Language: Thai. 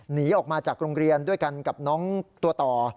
หนีออกมาจากโรงเรียนด้วยกันกับน้องตัวต่อ